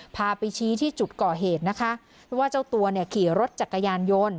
พาไปชี้ที่จุดก่อเหตุนะคะว่าเจ้าตัวเนี่ยขี่รถจักรยานยนต์